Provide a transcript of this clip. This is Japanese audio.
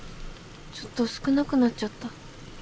ちょっと少なくなっちゃった。